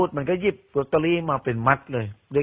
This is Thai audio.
เจ๊เกียวเห็นตอนที่